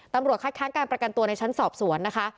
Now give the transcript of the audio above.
ตำรวจคัดค้างการประกันตัวในชั้นสอบสวนนะคะ